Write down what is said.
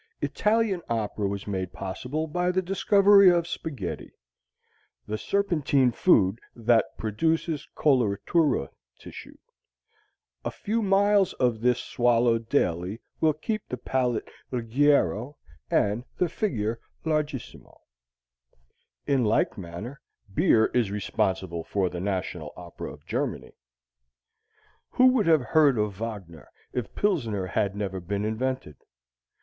Italian opera was made possible by the discovery of spaghetti, the serpentine food that produces coloratura tissue. A few miles of this swallowed daily will keep the palate leggiero and the figure larghissimo. In like manner, beer is responsible for the national opera of Germany. Who would have heard of Wagner if Pilsener had never been invented?